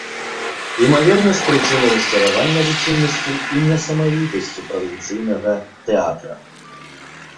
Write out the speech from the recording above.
Імаверна, з прычыны расчаравання руціннасцю і несамавітасцю правінцыйнага тэатра.